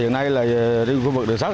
hiện nay là khu vực đường sắt